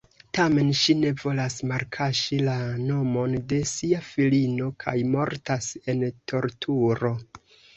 Tamen ŝi ne volas malkaŝi la nomon de sia filino kaj mortas en torturo.